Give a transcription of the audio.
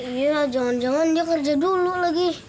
iya jangan jangan dia kerja dulu lagi